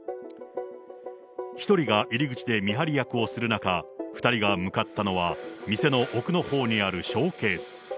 １人が入り口で見張り役をする中、２人が向かったのは、店の奥のほうにあるショーケース。